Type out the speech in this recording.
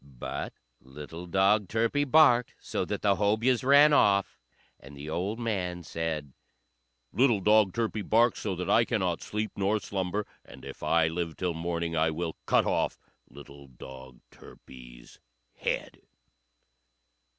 But little dog Turpie barked so that the Hobyahs ran off; and the old man said, "Little dog Turpie barks so that I cannot sleep nor slumber, and if I live till morning I will cut off little dog Turpie's head."